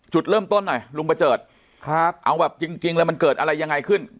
จุดเริ่มต้นหน่อยลุงประเจิดครับเอาแบบจริงเลยมันเกิดอะไรยังไงขึ้น